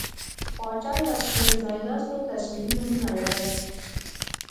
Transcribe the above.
پاچا یو شمېر ځایناستو تصویري نومونه لرل.